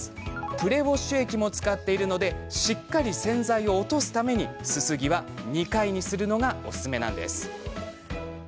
プレウォッシュ液も使っているのでしっかり洗剤を落とすためにすすぎは２回にするのがおすすめなんです。